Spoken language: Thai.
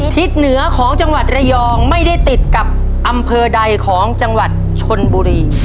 ทิศเหนือของจังหวัดระยองไม่ได้ติดกับอำเภอใดของจังหวัดชนบุรี